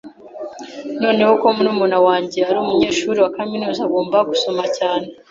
Noneho ko murumuna wanjye ari umunyeshuri wa kaminuza, agomba gusoma cyane.